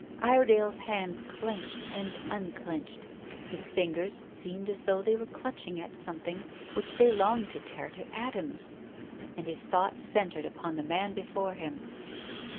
Iredale's hands clenched and unclenched. His fingers seemed as though they were clutching at something which they longed to tear to atoms, and his thoughts centred upon the man before him.